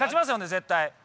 絶対。